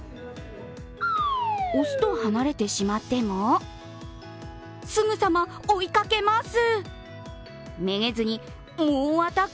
雄と離れてしまっても、すぐさま追いかけます。